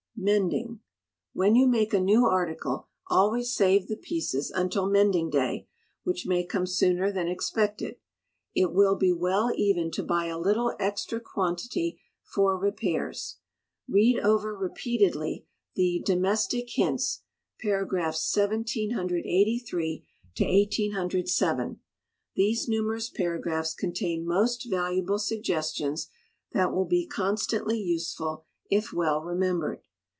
Mending. When you make a new article always save the pieces until "mending day," which may come sooner than expected. It will be well even to buy a little extra quantity for repairs. Read over repeatedly the "DOMESTIC HINTS" (pars. 1783 1807). These numerous paragraphs contain most valuable suggestions, that will be constantly useful if well remembered.